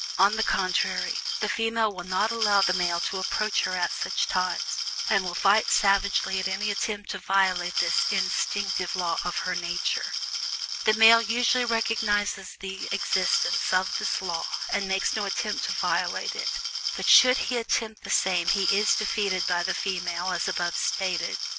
On the contrary, the female will not allow the male to approach her at such times, and will fight savagely at any attempt to violate this instinctive law of her nature. The male usually recognizes the existence of this law, and makes no attempt to violate it, but should he attempt the same he is defeated by the female as above stated.